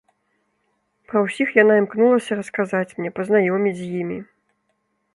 Пра ўсіх яна імкнулася расказаць мне, пазнаёміць з імі.